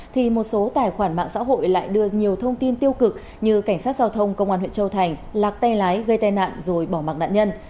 thì một số tài khoản mạng xã hội lại đưa nhiều thông tin tiêu cực như cảnh sát giao thông công an huyện châu thành lạc tay lái gây tai nạn rồi bỏ mặt nạn nhân